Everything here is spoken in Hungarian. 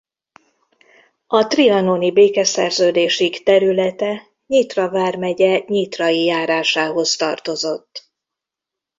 A trianoni békeszerződésig területe Nyitra vármegye Nyitrai járásához tartozott.